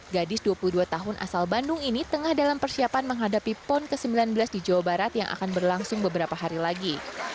gadis dua puluh dua tahun asal bandung ini tengah dalam persiapan menghadapi pon ke sembilan belas di jawa barat yang akan berlangsung beberapa hari lagi